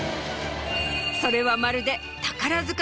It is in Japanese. それはまるで。